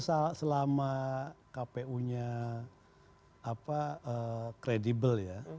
ya selama kpu nya credible ya